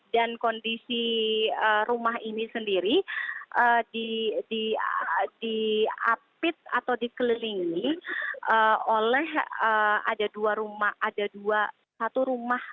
kondisi rumah ini sendiri diapit atau dikelilingi oleh ada dua rumah ada dua satu rumah